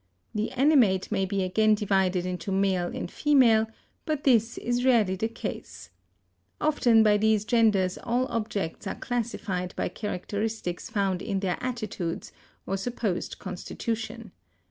The animate may be again divided into male and female, but this is rarely the case. Often by these genders all objects are classified by characteristics found in their attitudes or supposed constitution.